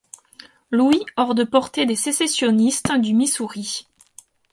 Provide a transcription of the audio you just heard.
Louis hors de portée des sécessionnistes du Missouri.